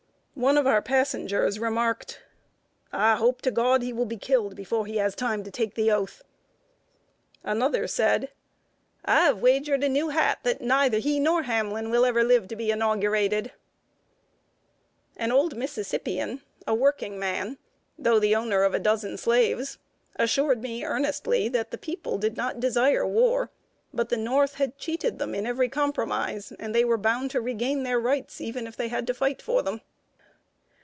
One of our passengers remarked: "I hope to God he will be killed before he has time to take the oath!" Another said: "I have wagered a new hat that neither he nor Hamlin will ever live to be inaugurated." [Sidenote: WHAT A MISSISSIPPI SLAVEHOLDER THOUGHT.] An old Mississippian, a working man, though the owner of a dozen slaves, assured me earnestly that the people did not desire war; but the North had cheated them in every compromise, and they were bound to regain their rights, even if they had to fight for them.